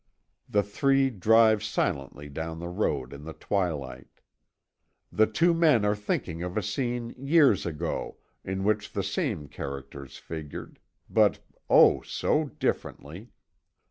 The three drive silently down the road in the twilight. The two men are thinking of a scene years ago, in which the same characters figured, but oh, so differently!